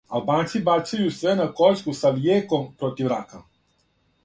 Албанци бацају све на коцку са "лијеком" против рака